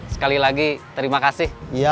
sekali lagi terima kasih